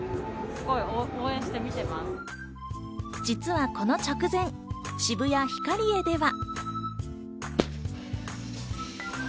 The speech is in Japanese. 実はこの直前、渋谷ヒカリエでは。